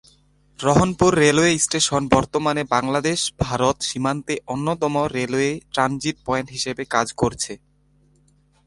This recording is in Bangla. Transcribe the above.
রহনপুর রেলওয়ে স্টেশন বর্তমানে বাংলাদেশ-ভারত সীমান্তে অন্যতম রেলওয়ে ট্রানজিট পয়েন্ট হিসেবে কাজ করছে।